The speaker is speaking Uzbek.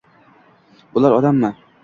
— Bular... odammi?